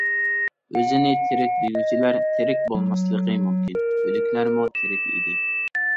ئۆزىنى تىرىك دېگۈچىلەر تىرىك بولماسلىقى مۇمكىن ئۆلۈكلەرمۇ تىرىك ئىدى.